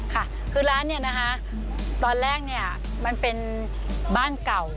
ค่ะคือร้านเนี่ยนะคะตอนแรกเนี่ยมันเป็นบ้านเก่า